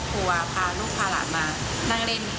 จากนั้นผู้สิทธิ์ข่าวก็พยายามโทรศัพท์ติดต่อสวนน้ำดังกล่าวนะครับ